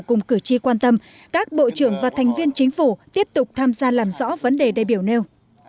cùng cử tri quan tâm các bộ trưởng và thành viên chính phủ tiếp tục tham gia làm rõ vấn đề đại biểu nêu